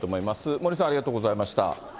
森さん、ありがとうございました。